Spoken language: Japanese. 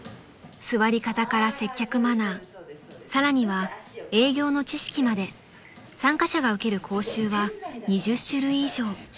［座り方から接客マナーさらには営業の知識まで参加者が受ける講習は２０種類以上］